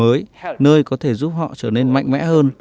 cơ hội mới nơi có thể giúp họ trở nên mạnh mẽ hơn